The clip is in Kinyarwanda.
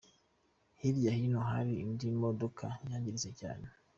Hirya yaho hari indi modoka yangiritse cyane.